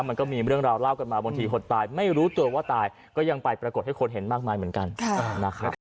มันก็มีเรื่องราวเล่ากันมาบางทีคนตายไม่รู้ตัวว่าตายก็ยังไปปรากฏให้คนเห็นมากมายเหมือนกันนะครับ